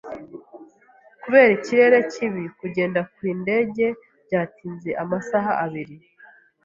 Kubera ikirere kibi, kugenda kwindege byatinze amasaha abiri.